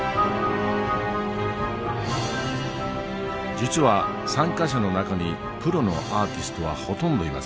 実は参加者の中にプロのアーティストはほとんどいません。